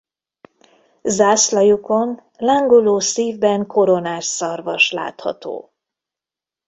Zászlajukon lángoló szívben koronás szarvas látható.